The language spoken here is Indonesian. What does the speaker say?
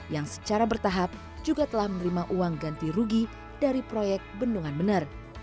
yang secara bertahap juga telah menerima uang ganti rugi dari proyek bendungan bener